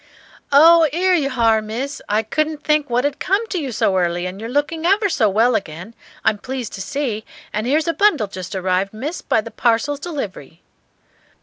"Oh, 'ere you h'are, Miss. I couldn't think what 'ad come to you so early; and you're looking ever so well again, I'm pleased to see; and 'ere's a bundle just arrived, Miss, by the Parcels Delivery."